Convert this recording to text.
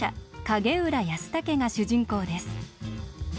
景浦安武が主人公です。